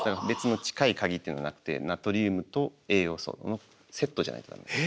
別の近い鍵っていうのはなくてナトリウムと栄養素のセットじゃないとダメ。